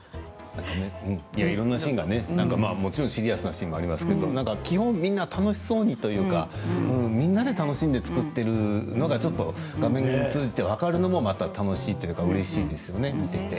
何かね、いろんなシーンがもちろんシリアスなシーンはありますけれども基本みんな楽しそうにというかみんなで楽しんで作っているというのが画面を通じて分かるのもまた楽しいというかうれしいですよね、見ていて。